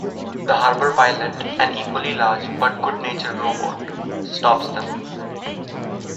The harbour pilot, an equally large but good-natured robot stops them.